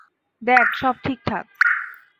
দেখ, সব ঠিকঠাক।